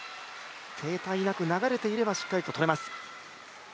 停滞なく流れていれば点数はとれます。